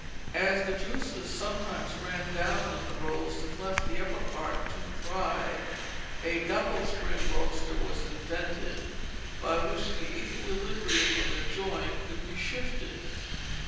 As the juices sometimes ran down in the roast and left the upper part too dry, a "double string roaster" was invented, by which the equilibrium of the joint could be shifted.